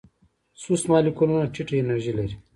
سست مالیکولونه ټیټه انرژي لري.